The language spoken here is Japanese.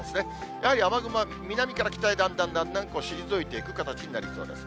やはり雨雲は南から北へだんだんだんだん退いていく形になりそうです。